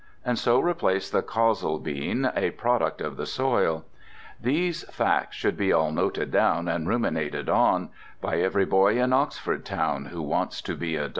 And so replace the colza bean (A product of the soil). These facts should all be noted down And ruminated on, By every boy in Oxford town Who wants to be a Don.